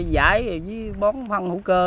giải với bón phăn hữu cơ